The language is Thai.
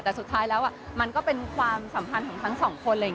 แต่สุดท้ายแล้วมันก็เป็นความสัมพันธ์ของทั้งสองคน